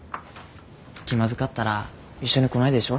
気まずかったら一緒に来ないでしょ。